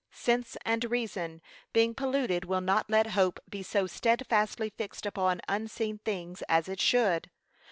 Sense and reason being polluted will not let hope be so steadfastly fixed upon unseen things as it should.